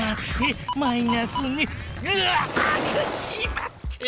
うわっしまった！